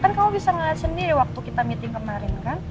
kan kamu bisa ngeliat sendiri waktu kita meeting kemarin kan